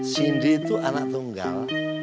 sindi tuh anak tunggal